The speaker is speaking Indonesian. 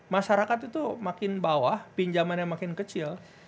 masyarakat itu makin bawah pinjamannya makin kecil